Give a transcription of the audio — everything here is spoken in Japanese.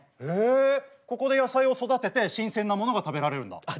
へえここで野菜を育てて新鮮なものが食べられるんだ。